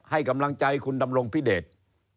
ให้กำลังใจคุณดำรงพิเดช